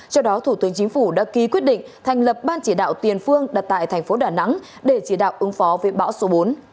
trước đó thủ tướng chính phủ đã ký quyết định thành lập ban chỉ đạo tiền phương đặt tại thành phố đà nẵng để chỉ đạo ứng phó với bão số bốn